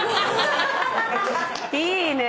いいね。